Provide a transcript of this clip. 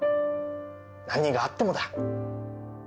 何があってもだ